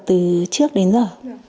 từ trước đến giờ